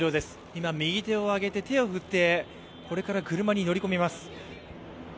今、右手を上げて手を振って、これから車に乗り込みます。